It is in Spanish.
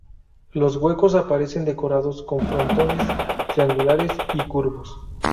Los huecos aparecen decorados con frontones triangulares y curvos.